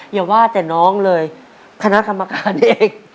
อย่าว่าแต่น้องเลยคณะกรรมการเอง